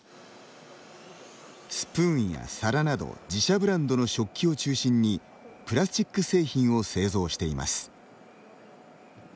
スプーンや皿など自社ブランドの食器を中心にプラスチック製品を製造しています。